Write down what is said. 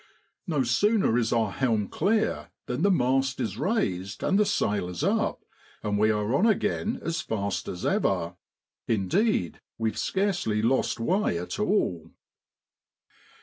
No sooner is our helm clear than the mast is raised and the sail is up, and we are on again as fast as ever; indeed, we've scarcely lost way at all.